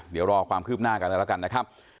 เดี๋ยวรอความคืบหน้ากันแล้วกันนะครับ